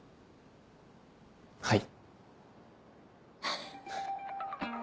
はい。